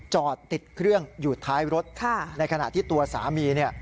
จอดติดเครื่องอยู่ท้ายรถในขณะที่ตัวสามีเนี่ย